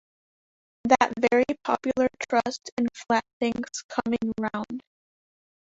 That very popular trust in flat things coming round!